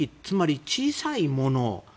つまり小さいもの